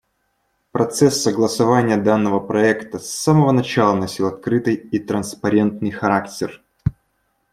Процесс согласования данного проекта с самого начала носил открытый и транспарентный характер.